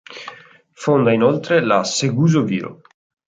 Fonda inoltre la Seguso Viro.